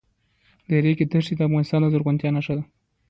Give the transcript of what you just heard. د ریګ دښتې د افغانستان د زرغونتیا نښه ده.